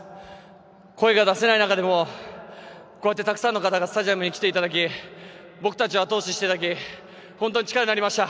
声が出せない中でもこうやってたくさんの方々がスタジアムに来ていただき僕たちをあと押ししていただき本当に力になりました。